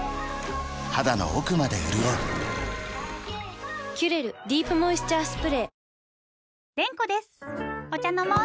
肌の奥まで潤う「キュレルディープモイスチャースプレー」